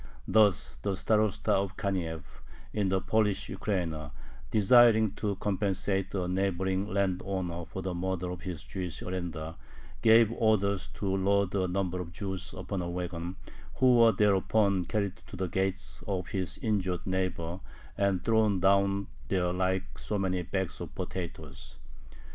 Thus the Starosta of Kaniev, in the Polish Ukraina, desiring to compensate a neighboring landowner for the murder of his Jewish arendar, gave orders to load a number of Jews upon a wagon, who were thereupon carried to the gates of his injured neighbor and thrown down there like so many bags of potatoes.